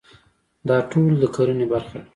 دا ټول د کرنې برخه ده.